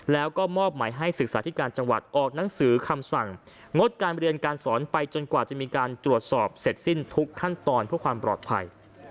แล้วก็มอบหมายให้ศึกษาธิการจังหวัดออกหนังสือคำสั่งงดการเรียนการสอนไปจนกว่าจะมีการตรวจสอบเสร็จสิ้นทุกขั้นตอนเพื่อความปลอดภัย